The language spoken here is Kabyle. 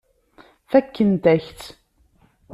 Fakkent-ak-tt.